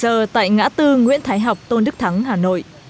một mươi bảy h tại ngã tư nguyễn thái học tôn đức thắng hà nội